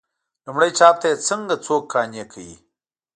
لومړي چاپ ته یې څنګه څوک قانع کوي.